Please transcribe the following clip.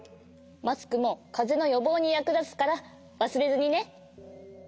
マスクもかぜのよぼうにやくだつからわすれずにね！